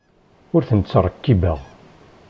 Ur ten-ttṛekkibeɣ.